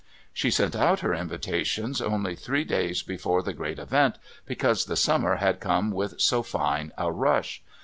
She sent out her invitations only three days before the great event, because the summer had come with so fine a rush.